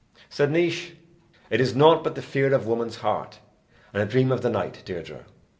Said Naois: It is nought but the fear of woman's heart, And a dream of the night, Deirdre.